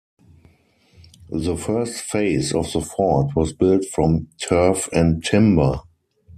The first phase of the fort was built from turf and timber.